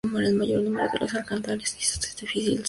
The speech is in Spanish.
El mayor número de los atacantes hizo difícil su defensa.